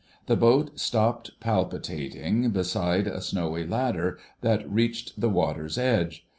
The boat stopped palpitating beside a snowy ladder that reached to the water's edge.